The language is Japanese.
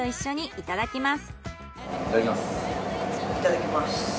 いただきます。